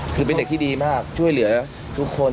คือเป็นเด็กที่ดีมากช่วยเหลือทุกคน